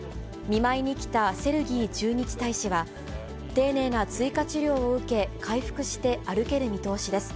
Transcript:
見舞いに来たセルギー駐日大使は、丁寧な追加治療を受け、回復して歩ける見通しです。